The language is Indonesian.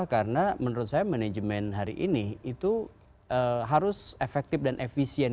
karena menurut saya manajemen hari ini itu harus efektif dan efisien